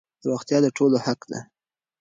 روغتيا د ټولو حق دی.